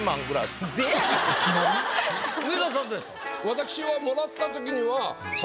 私はもらったときには。